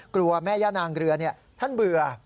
กลัวแม่ย่านางเรือท่านเบื่อ